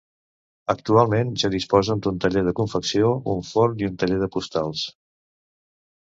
Actualment ja disposen d'un taller de confecció, un forn i un taller de postals.